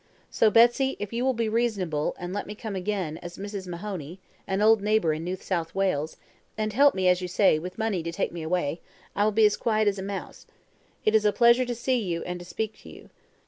So, Betsy, if you will be reasonable, and let me come again, as Mrs. Mahoney (an old neighbour in New South Wales), and help me, as you say, with money to take me away, I will be as quiet as a mouse. It is a pleasure to see you, and to speak to you.